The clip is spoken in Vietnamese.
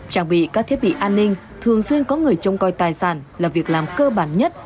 trang bị các thiết bị an ninh thường xuyên có người trông coi tài sản là việc làm cơ bản nhất